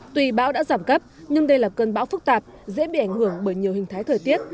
tuy bão đã giảm cấp nhưng đây là cơn bão phức tạp dễ bị ảnh hưởng bởi nhiều hình thái thời tiết